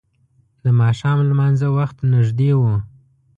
د ماښام لمانځه وخت نږدې و.